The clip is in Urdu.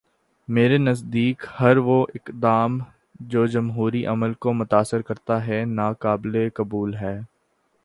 میرے نزدیک ہر وہ اقدام جو جمہوری عمل کو متاثر کرتا ہو، ناقابل قبول ہے۔